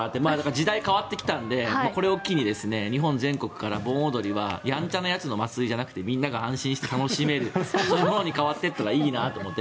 時代が変わってきたのでこれを機に日本全国から盆踊りはやんちゃなやつの集まりじゃなくてみんなが安心して楽しめるものに変わっていったらいいなと思って。